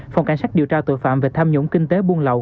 phòng cảnh sát điều tra tội phạm về tham nhũng kinh tế buôn lậu